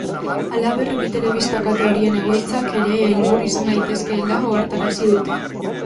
Halaber, bi telebista kate horien egoitzak ere helburu izan daitezkeela ohartarazi dute.